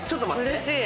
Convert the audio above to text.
うれしい。